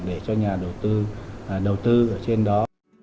để cho nhà đầu tư ở trên đó